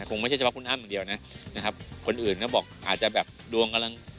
คงไม่ใช่เฉพาะคุณอ้ำอย่างเดียวนะนะครับคนอื่นก็บอกอาจจะแบบดวงกำลัง